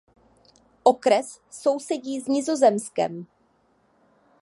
Okres sousedí s Nizozemskem.